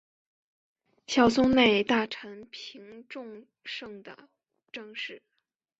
小松内大臣平重盛的正室。